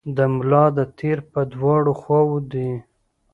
د ملا د تیر په دواړو خواوو دي.